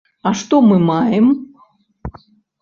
А што мы маем?